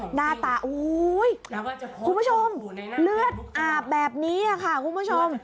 หน้าตาโอ้โหคุณผู้ชมเลือดอาบแบบนี้ค่ะคุณผู้ชม